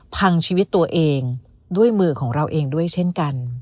พังชีวิตตัวเองด้วยมือของเราเองด้วยเช่นกัน